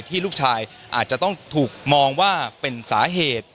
ลูกชายอาจจะต้องถูกมองว่าเป็นสาเหตุ